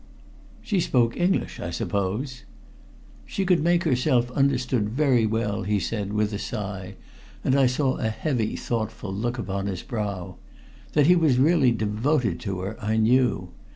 "She spoke English, I suppose?" "She could make herself understood very well," he said with a sigh, and I saw a heavy, thoughtful look upon his brow. That he was really devoted to her, I knew.